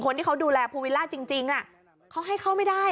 คนที่เขาดูแลภูวิลล่าจริงเขาให้เข้าไม่ได้